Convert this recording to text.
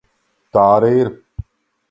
Tā arī ir.